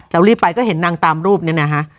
รีบไปก็เห็นนางตามรูปเนี่ยนะฮะ